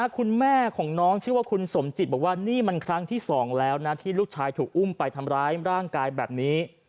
คุณแม่ของน้องชื่อว่าคุณสมจิตบอกว่านี่มันครั้งที่๒แล้วนะที่ลูกชายถูกอุ้มไปทำร้ายร่างกายแบบนี้